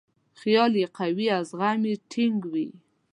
خیال یې قوي او عزم یې ټینګ وي.